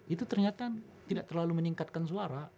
itu ternyata tidak terlalu meningkatkan suara